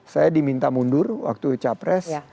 saya diminta mundur waktu capres